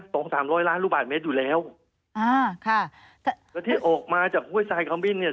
สองสามร้อยล้านลูกบาทเมตรอยู่แล้วอ่าค่ะแล้วที่ออกมาจากห้วยทรายขมิ้นเนี่ย